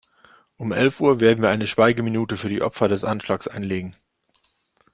Um elf Uhr werden wir eine Schweigeminute für die Opfer des Anschlags einlegen.